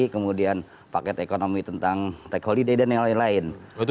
kemudian paket ekonomi tentang tech holiday dan lain lain